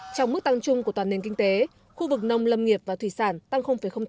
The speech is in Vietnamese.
trong mức tăng chung của toàn nền kinh tế khu vực nông lâm nghiệp và thủy sản tăng tám